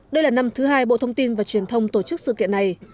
đây là năm thứ hai bộ thông tin và truyền thông tổ chức sự kiện này